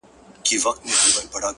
ستا د مخ له اب سره ياري کوي ـ